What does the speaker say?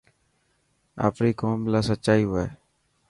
آپري قوم لاءِ سچائي هئي.